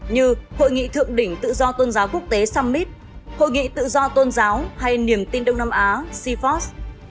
như hội nghị thượng đỉnh tự do tôn giáo quốc tế summit hội nghị tự do tôn giáo hay niềm tin đông nam á cfos